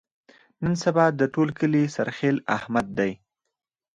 نن سبا د ټول کلي سرخیل احمد دی.